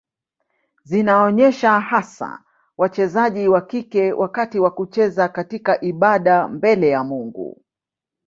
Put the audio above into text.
Zinaonyesha hasa wachezaji wa kike wakati wa kucheza katika ibada mbele ya miungu.